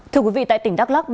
thưa quý vị tại tỉnh đắk lắk